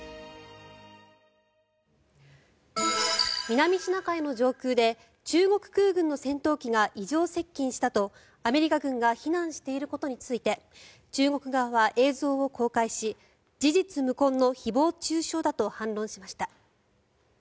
南シナ海の上空で中国空軍の戦闘機が異常接近したと、アメリカ軍が非難していることについて中国側は映像を公開し事実無根の誹謗・中傷だと反論しました。